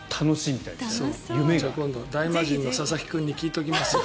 じゃあ今度大魔神の佐々木君に聞いときます。